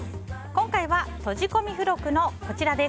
今回は、とじ込み付録のこちら。